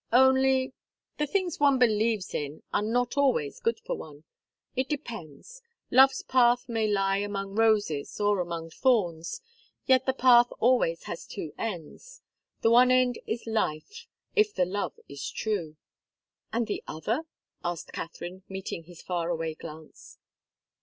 Only the things one believes in are not always good for one it depends love's path may lie among roses or among thorns; yet the path always has two ends the one end is life, if the love is true." "And the other?" asked Katharine, meeting his far away glance.